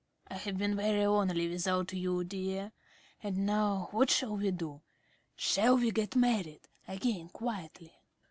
I have been very lonely without you, dear.... And now, what shall we do? Shall we get married again quietly?